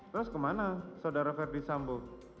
terus kemana saudara ferdis sambu